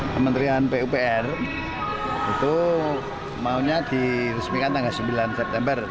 kementerian pupr itu maunya diresmikan tanggal sembilan september